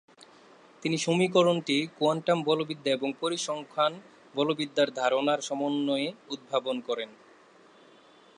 তিনি সমীকরণটি কোয়ান্টাম বলবিদ্যা এবং পরিসংখ্যান বলবিদ্যার ধারণার সমন্বয়ে উদ্ভাবন করেন।